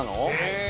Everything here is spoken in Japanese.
え！